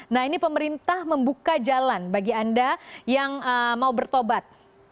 nah ini pemerintah membuka jalan bagi anda yang mau bertobat